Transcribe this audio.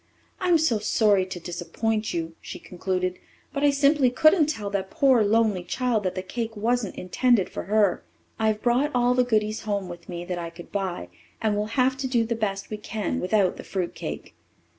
"I'm so sorry to disappoint you," she concluded, "but I simply couldn't tell that poor, lonely child that the cake wasn't intended for her. I've brought all the goodies home with me that I could buy, and we'll have to do the best we can without the fruit cake."